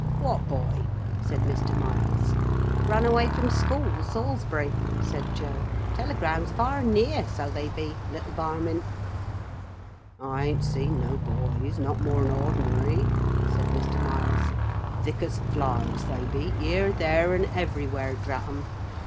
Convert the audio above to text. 'What boy?' said Mr. Miles. 'Run away from school, Salisbury,' said Joe. 'Telegrams far and near, so they be. Little varmint.' 'I ain't seen no boys, not more'n ordinary,' said Mr. Miles. 'Thick as flies they be, here, there, and everywhere, drat 'em.